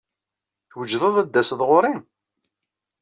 Twejdeḍ ad d-taseḍ ɣuṛ-i?